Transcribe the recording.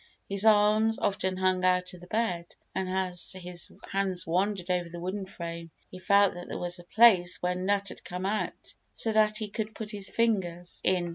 His arms often hung out of the bed and, as his hands wandered over the wooden frame, he felt that there was a place where nut had come out so that he could put his fingers in.